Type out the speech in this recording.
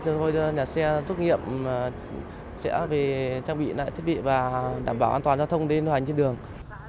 thì thôi nhà xe thuốc nghiệm sẽ trang bị lại thiết bị và đảm bảo an toàn giao thông đi hoành trên đường